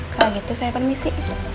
kalau gitu saya permisi